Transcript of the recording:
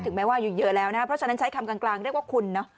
ถึงแม้ว่าอยู่เยอะแล้วนะเพราะฉะนั้นใช้คำกลางเรียกว่าคุณนะ